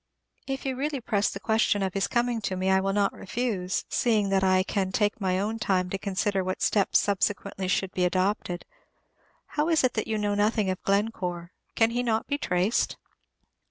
If you really press the question of his coming to me, I will not refuse, seeing that I can take my own time to consider what steps subsequently should be adopted. How is it that you know nothing of Glencore, can he not be traced?